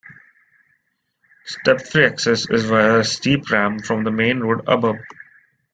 Step-free access is via a steep ramp from the main road above.